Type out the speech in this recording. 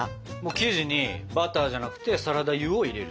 生地にバターじゃなくてサラダ油を入れる！